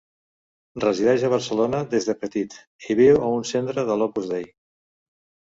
Resideix a Barcelona des de petit, i viu a un centre de l'Opus Dei.